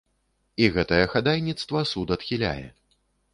І гэтае хадайніцтва суд адхіляе.